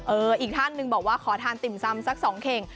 เอออีกแท่นหนึ่งบอกว่าขอทานติ่มซำสัก๒เคง